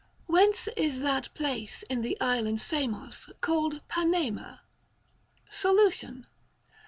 Whence is that place in the island Samos called Panaema (Πάναψα) ? Solution.